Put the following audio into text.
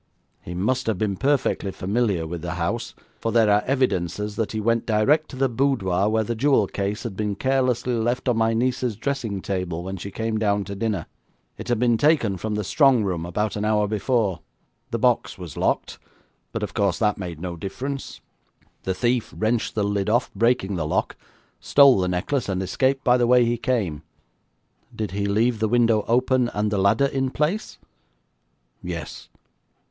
He must have been perfectly familiar with the house, for there are evidences that he went direct to the boudoir where the jewel case had been carelessly left on my niece's dressing table when she came down to dinner. It had been taken from the strong room about an hour before. The box was locked, but, of course, that made no difference. The thief wrenched the lid off, breaking the lock, stole the necklace, and escaped by the way he came.' 'Did he leave the window open, and the ladder in place?' 'Yes.'